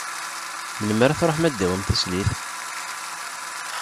Melmi ara truḥem ad d-tawim tislit?